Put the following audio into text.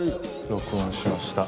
録音しました。